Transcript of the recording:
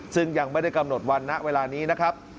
ซึ่งยังไม่ได้กำหนดวันณเวลานี้นะครับ